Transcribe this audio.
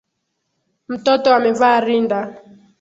Mtoto amevaa rinda